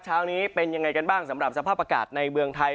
เช้านี้เป็นยังไงกันบ้างสำหรับสภาพอากาศในเมืองไทย